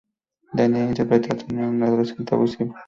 Daniel interpretó a "Tony" un adolescente abusivo.